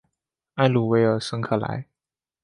埃鲁维尔圣克莱。